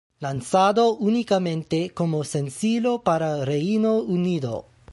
Lanzado únicamente como sencillo para Reino Unido.